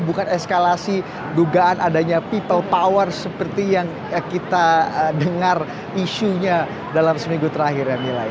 bukan eskalasi dugaan adanya people power seperti yang kita dengar isunya dalam seminggu terakhir ya milay